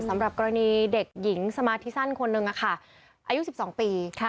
สำหรับกรณีเด็กหญิงสมาธิสั้นคนหนึ่งอะค่ะอายุสิบสองปีค่ะ